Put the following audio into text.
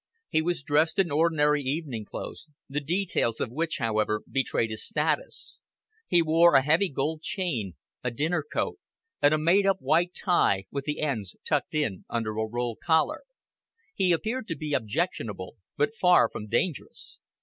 He was dressed in ordinary evening clothes, the details of which, however, betrayed his status. He wore a heavy gold chain, a dinner coat, and a made up white tie, with the ends tucked in under a roll collar. He appeared to be objectionable, but far from dangerous.